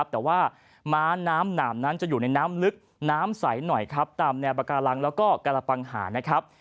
แต่ว่าม้าน้ำหนามนั้นจะอยู่ในน้ำลึกน้ำใสหน่อยครับตามแนวปากาลังแล้วก็กระปังหานะครับ